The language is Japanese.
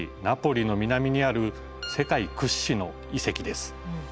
ナポリの南にある世界屈指の遺跡です。